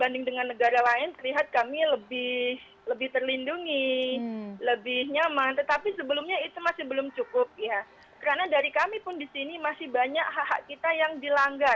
dan masih belum jadi